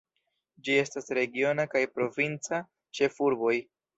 Ĝi estas regiona kaj provinca ĉefurboj.